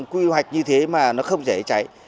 quy hoạch như thế mà nó không xảy ra cháy